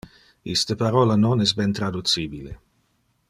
Iste parola non es ben traducibile.